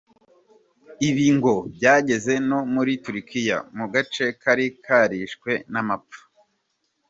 Ibi ngo byageze no muri Turikiya, mu gace kari karishwe n’amapfa.